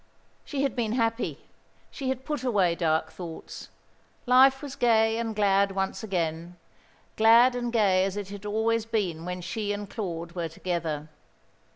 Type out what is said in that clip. She had been happy; she had put away dark thoughts. Life was gay and glad once again, glad and gay as it had always been when she and Claude were together.